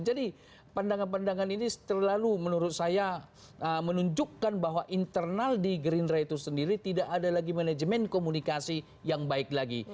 jadi pandangan pandangan ini terlalu menurut saya menunjukkan bahwa internal di gerindra itu sendiri tidak ada lagi manajemen komunikasi yang baik lagi